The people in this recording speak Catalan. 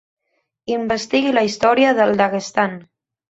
Investigui la història del Daguestan.